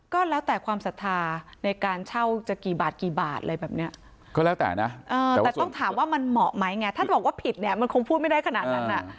ก็แล้วแต่ความสภาในการเช่าจะกี่บาทกี่บาทแต่ต้องถามว่ามันเหมาะไหมถ้าบอกว่าผิดมันคงพูดไม่ได้ขนาดนั้น